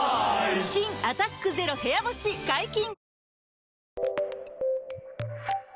新「アタックＺＥＲＯ部屋干し」解禁‼